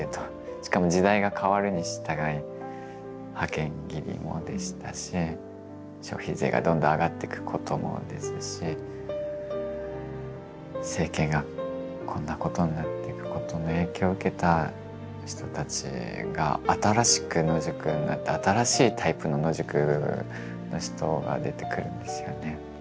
しかも時代が変わるにしたがい派遣切りもでしたし消費税がどんどん上がっていくこともですし政権がこんなことになっていくことの影響を受けた人たちが新しく野宿になって新しいタイプの野宿の人が出てくるんですよね。